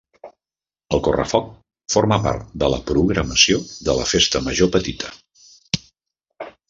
El correfoc forma part de la programació de la festa major petita.